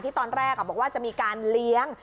ตอนแรกบอกว่าจะมีการเลี้ยง